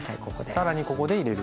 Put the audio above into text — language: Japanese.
更にここで入れる。